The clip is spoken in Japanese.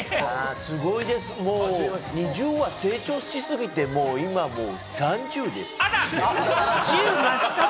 すごいです、もうＮｉｚｉＵは成長しすぎて、もうサンジュウです。